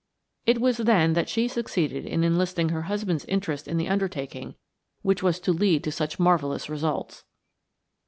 It was then that she succeeded in enlisting her husband's interest in the undertaking which was to lead to such marvelous results.